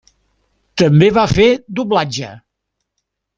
També va fer doblatge.